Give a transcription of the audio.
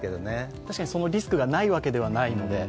確かにそのリスクがないわけではないので。